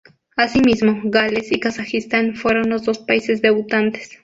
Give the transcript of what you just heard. Así mismo, Gales y Kazajistán fueron los dos países debutantes.